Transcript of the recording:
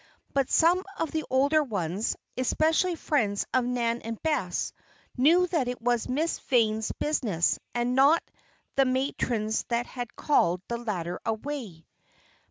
But some of the older ones, especially friends of Nan and Bess, knew that it was Miss Vane's business, and not the matron's that had called the latter away.